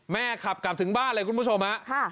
ขับกลับถึงบ้านเลยคุณผู้ชมฮะ